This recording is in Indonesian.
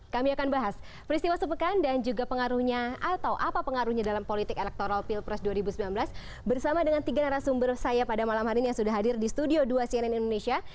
kami akan bahas peristiwa sepekan dan juga pengaruhnya atau apa pengaruhnya dalam politik elektoral pilpres dua ribu sembilan belas bersama dengan tiga narasumber saya pada malam hari ini yang sudah hadir di studio dua cnn indonesia